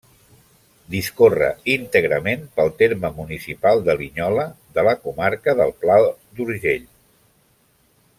Discorre íntegrament pel terme municipal de Linyola, de la comarca del Pla d'Urgell.